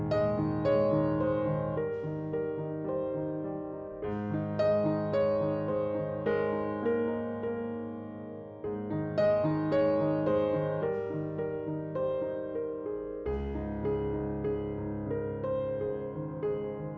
hẹn gặp lại